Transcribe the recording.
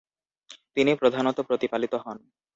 তিনি প্রধানত প্রতিপালিত হন।